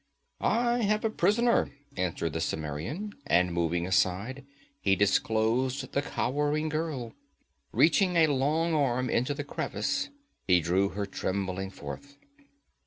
'I have a prisoner,' answered the Cimmerian. And moving aside he disclosed the cowering girl. Reaching a long arm into the crevice he drew her trembling forth.